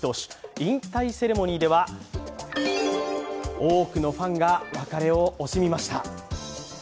引退セレモニーでは多くのファンが別れを惜しみました。